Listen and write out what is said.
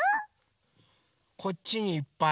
こっちにいっぱい。